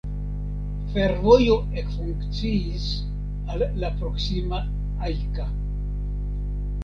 Fervojo ekfunkciis al la proksima Ajka.